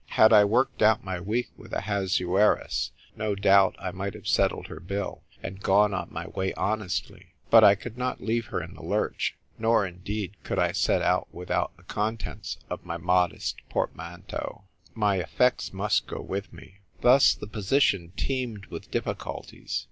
Had I worked out my week with Ahasuerus, no doubt I might have settled her bill, and gone on my way hon estly. But I could not leave her in the lurch ; nor, indeed, could I set out without the con tents of my modest portmanteau. My effects must go with me. Thus the position teemed with difficulties.